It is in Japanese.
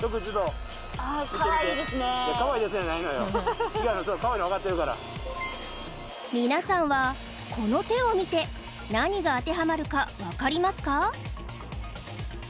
・「かわいいですね」じゃないのよ違うのかわいいのわかってるから皆さんはこの手を見て何が当てはまるかわかりますか？